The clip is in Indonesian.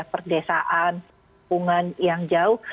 seperti perdesaan pembungan yang jauh